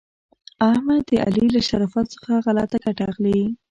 احمد د علي له شرافت څخه غلته ګټه اخلي.